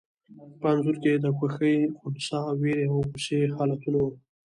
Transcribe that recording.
په انځور کې د خوښي، خنثی، وېرې او غوسې حالتونه وو.